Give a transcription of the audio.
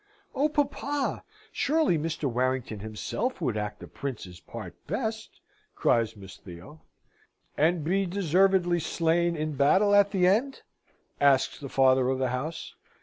"Oh, papa! surely Mr. Warrington himself would act the Prince's part best!" cries Miss Theo. "And be deservedly slain in battle at the end?" asks the father of the house.